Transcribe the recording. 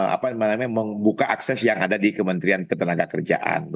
apa namanya membuka akses yang ada di kementerian ketenaga kerjaan